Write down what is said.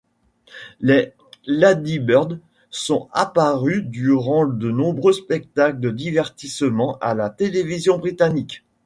Les Ladybirds sont apparues durant de nombreux spectacles de divertissement à la télévision britannique.